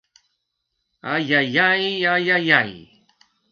Ai, ai, ai, ai, ai, ai!